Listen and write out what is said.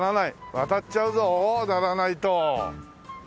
渡っちゃうぞ鳴らないと。